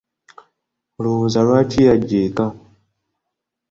Olowooza lwaki yajja eka?